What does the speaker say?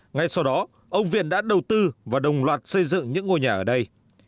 ngay sau đó ông viện đã đầu tư và đồng loạt xây dựng những ngôi nhà ở đây